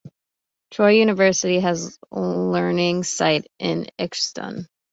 Troy University has a learning site in Exton.